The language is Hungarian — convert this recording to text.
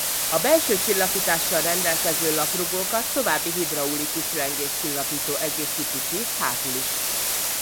A belső csillapítással rendelkező laprugókat további hidraulikus lengéscsillapító egészíti ki hátul is.